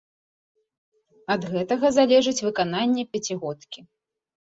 Ад гэтага залежыць выкананне пяцігодкі.